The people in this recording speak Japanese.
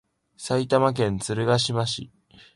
埼玉県鶴ヶ島市